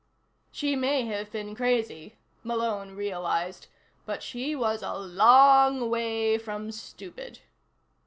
She may have been crazy, Malone realized. But she was a long way from stupid.